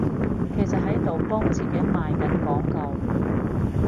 其實喺度幫自己賣緊廣告？